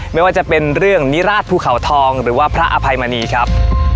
ไม่ว่าจะเป็นนิราศพูดเขาทองหรือว่าภรรพย์อภัยมะนีครับ